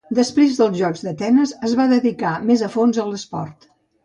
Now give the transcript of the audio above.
Després dels Jocs d'Atenes, es va dedicar més a fons a l'esport.